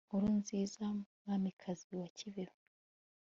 nkuru nziza, mwamikazi wa kibeho